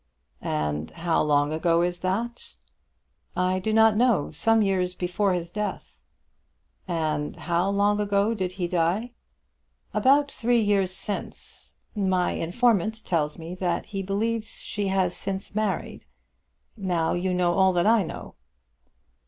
"And how long ago is that?" "I do not know. Some years before his death." "And how long ago did he die?" "About three years since. My informant tells me that he believes she has since married. Now you know all that I know."